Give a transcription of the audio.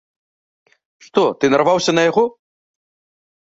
Што, ты нарваўся на яго?